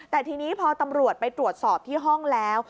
แต่ทีนี้พอตำรวจไปตรวจสอบที่ห้องแล้ว